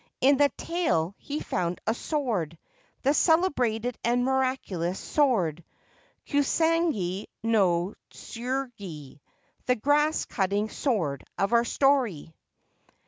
In the tail he found a sword — the celebrated and miraculous sword ' Kusanagi no Tsurugi,' the grass cutting sword of our story.)